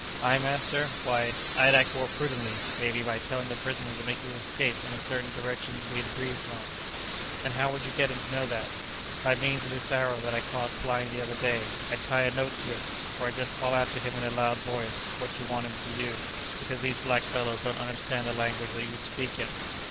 "I, master? why, I'd act more prudently, maybe, by telling the prisoner to make his escape in a certain direction that we'd agree upon." "And how would you get him to know that?" "By means of this arrow that I caught flying the other day. I'd tie a note to it, or I'd just call out to him in a loud voice what you want him to do, because these black fellows don't understand the language that you'd speak in!"